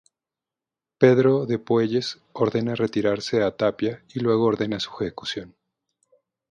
Pedro de Puelles ordena retirarse a Tapia y luego ordena su ejecución.